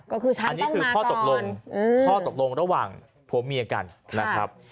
ก็คือใช่อันนี้คือข้อตกลงข้อตกลงระหว่างผัวเมียกันนะครับ